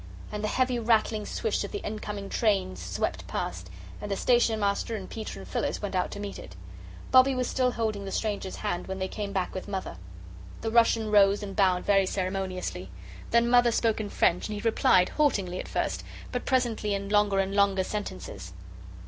And the heavy rattling swish of the incoming train swept past, and the Station Master and Peter and Phyllis went out to meet it. Bobbie was still holding the stranger's hand when they came back with Mother. The Russian rose and bowed very ceremoniously. Then Mother spoke in French, and he replied, haltingly at first, but presently in longer and longer sentences.